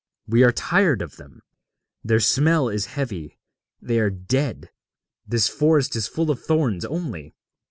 We are tired of them; their smell is heavy; they are dead. This forest is full of thorns only.